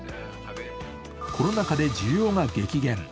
コロナ禍で需要が激減。